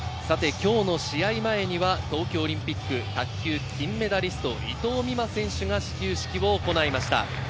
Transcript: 今日の試合前には東京オリンピック卓球金メダリスト・伊藤美誠選手が始球式を行いました。